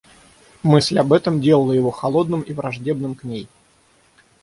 Мысль об этом делала его холодным и враждебным к ней.